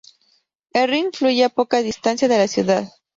El Rin fluye a poca distancia de la ciudad.